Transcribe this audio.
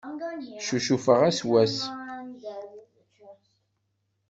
Ccucufeɣ ass s wass.